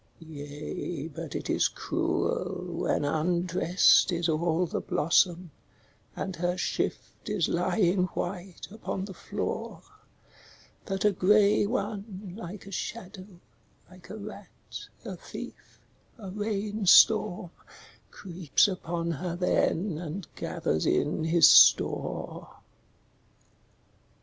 Yea, but it is cruel when undressed is all the blossom, And her shift is lying white upon the floor, That a grey one, like a shadow, like a rat, a thief, a rain storm Creeps upon her then and gathers in his store.